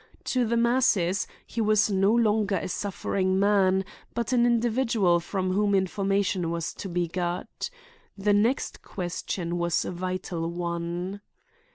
To the masses he was no longer a suffering man, but an individual from whom information was to be got. The next question was a vital one.